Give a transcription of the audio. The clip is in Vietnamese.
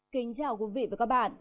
kính chào quý vị và các bạn